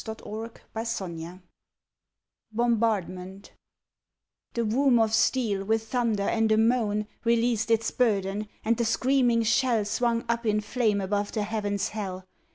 141 ON THE GREAT WAR BOMBARDMENT The womb of steel, with thunder and a moan, Released its burden, and the screaming shell Swung up in flame above the heavens Hell.